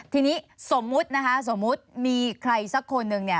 ทีนี้สมมุตินะคะสมมุติมีใครสักคนหนึ่ง